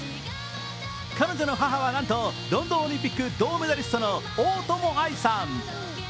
彼女の母はなんとロンドンオリンピック銅メダリストの大友愛さん。